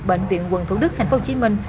bệnh viện quận thủ đức hà phương chí minh